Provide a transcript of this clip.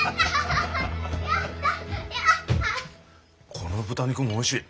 この豚肉もおいしい。